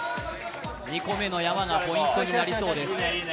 ２個目の山がポイントになりそうです。